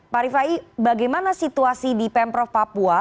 pak rifai bagaimana situasi di pemprov papua